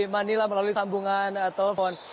manila melalui sambungan telepon